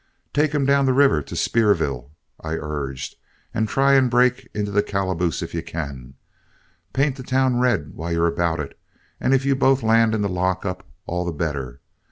"Take him down the river to Spearville," I urged, "and try and break into the calaboose if you can. Paint the town red while you're about it, and if you both land in the lock up, all the better.